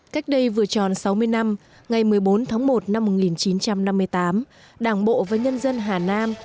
cách đây vừa tròn sáu mươi năm ngày một mươi bốn tháng một năm một nghìn chín trăm năm mươi tám đảng bộ và nhân dân hà nam